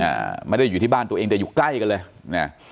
อ่าไม่ได้อยู่ที่บ้านตัวเองแต่อยู่ใกล้กันเลยเนี่ย